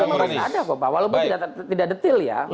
ini pas ada kok pak walaupun tidak detil ya